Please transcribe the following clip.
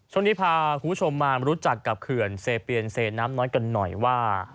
ช่วงนี้พาคุณผู้ชมมารู้จักกับเขื่อนเซเปียนเซน้ำน้อยกันหน่อยว่า